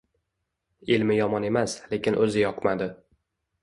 Ilmi yomon emas, lekin o‘zi yoqmadi.